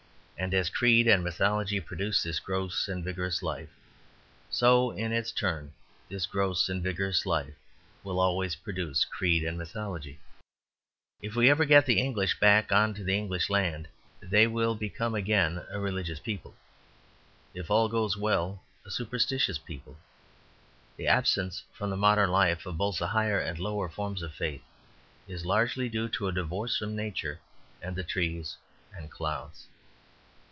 And as creed and mythology produce this gross and vigorous life, so in its turn this gross and vigorous life will always produce creed and mythology. If we ever get the English back on to the English land they will become again a religious people, if all goes well, a superstitious people. The absence from modern life of both the higher and lower forms of faith is largely due to a divorce from nature and the trees and clouds.